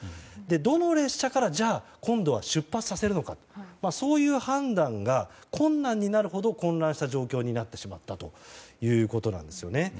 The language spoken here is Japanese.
どの列車から今度は出発させるのかそういう判断が困難になるほど混乱した状況になってしまったということなんです。